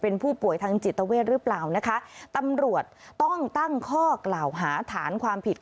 เป็นผู้ป่วยทางจิตเวทหรือเปล่านะคะตำรวจต้องตั้งข้อกล่าวหาฐานความผิด